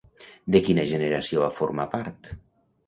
De quina generació va formar part?